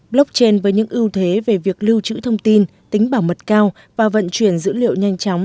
blockchain với những ưu thế về việc lưu trữ thông tin tính bảo mật cao và vận chuyển dữ liệu nhanh chóng